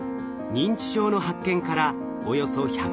認知症の発見からおよそ１２０年。